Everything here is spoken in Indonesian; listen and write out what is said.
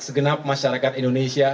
segenap masyarakat indonesia